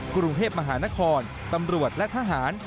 กรุงเทพมหานครตำรวจและทหาร